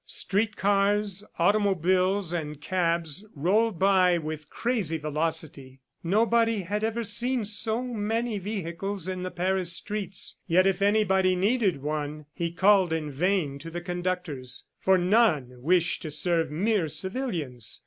Street cars, automobiles and cabs rolled by with crazy velocity. Nobody had ever seen so many vehicles in the Paris streets, yet if anybody needed one, he called in vain to the conductors, for none wished to serve mere civilians.